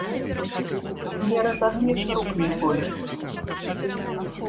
Не разагнеш рук ніколі.